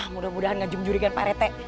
mudah mudahan gak jemur jurikan pak rt